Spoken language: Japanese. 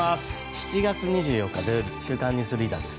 ７月２４日、土曜日「週刊ニュースリーダー」です。